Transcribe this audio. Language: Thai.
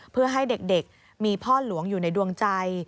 เพื่อให้เด็กมีพ่อหลวงอยู่ในดวงใจ